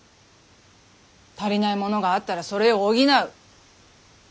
足りないものがあったらそれを補う。